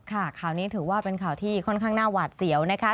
ข่าวนี้ถือว่าเป็นข่าวที่ค่อนข้างน่าหวาดเสียวนะคะ